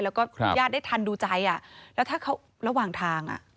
แล้วก็ญาติได้ทันดูใจอ่ะแล้วถ้าเขาระหว่างทางอ่ะ